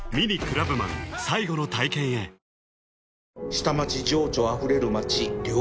下町情緒あふれる街